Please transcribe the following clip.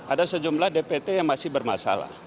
ada sejumlah dpt yang masih bermasalah